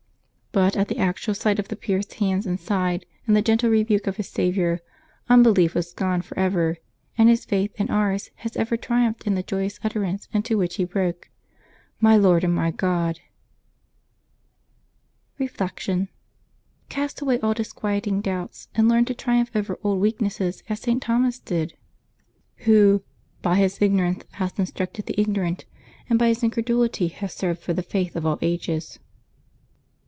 But at the actual sight of the pierced hands and side, and the gentle rebuke of his Saviour, unbelief was gone forever; and his faith and ours has ever triumphed in the joyous utterance into which he broke :" My Lord and my God !" Reflection. — Cast away all disquieting doubts, and learn to triumph over old weaknesses as St. Thomas did, who 384 LIVES OF THE SAINTS [Decembeb 23 ^^by his ignorance hath instructed the ignorant, and by his incredulity hath served for the faith of all ages."